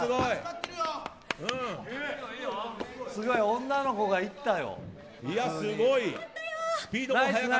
すごい、女の子がいったよ。